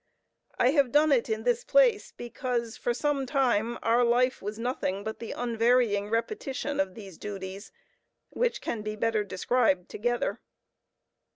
I have done it in this place because, for some time, our life was nothing but the unvarying repetition of these duties which can be better described together.